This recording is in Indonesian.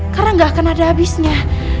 karena gak akan ada habisnya